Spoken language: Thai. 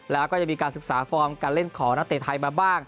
และจะมีการศึกษาฟอร์นของนักเล่นของนักเหตุไทยมาบ้าง